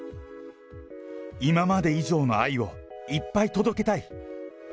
今まで以上の愛をいっぱい届けたい。